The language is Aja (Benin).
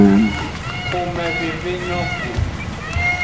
Xomeveve nyo go.